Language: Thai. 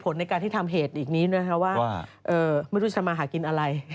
ไม่รู้ทำหากินอะไร